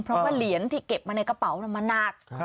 เพราะว่าเหรียญที่เก็บมาในกระเป๋ามันหนัก